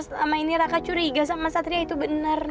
selama ini raka curiga sama satria itu bener non